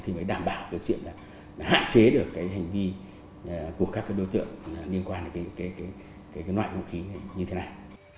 thì mới đảm bảo được chuyện là hạn chế được cái hành vi của các đối tượng liên quan đến cái loại vũ khí như thế này